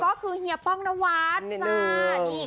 ก็คือเฮียป้องนวัดจ้า